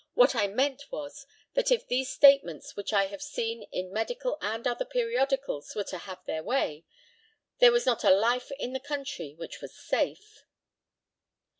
What I meant was that if these statements which I have seen in medical and other periodicals were to have their way, there was not a life in the country which was safe.